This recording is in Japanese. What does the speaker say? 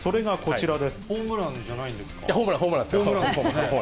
ホームランじゃないんですか？